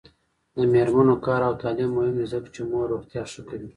د میرمنو کار او تعلیم مهم دی ځکه چې مور روغتیا ښه کوي.